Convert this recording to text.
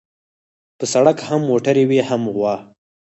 په سړک هم موټر وي هم غوا.